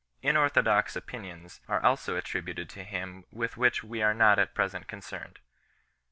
Inorthodox opinions are also attributed to him with which we are not at present concerned.